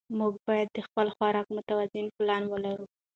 موږ باید د خپل خوراک متوازن پلان ولرو